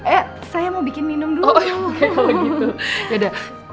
eh saya mau bikin minum dulu oh iya oke kalau gitu